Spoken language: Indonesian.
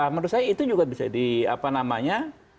menurut saya itu juga bisa di apa namanya